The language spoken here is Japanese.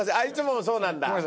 いつもそうなんだ。